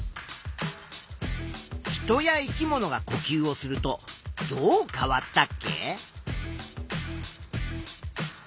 人や生き物がこきゅうをするとどう変わったっけ？